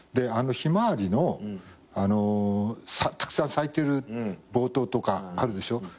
あの『ひまわり』のたくさん咲いてる冒頭とかあるでしょ？